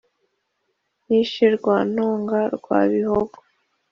Nishe Rwantonga rwa Bihogo